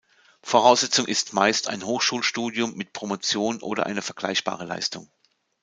Voraussetzung ist meist ein Hochschulstudium mit Promotion oder eine vergleichbare Leistung.